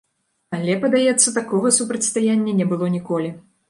Але, падаецца, такога супрацьстаяння не было ніколі.